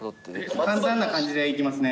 簡単な感じでいきますね。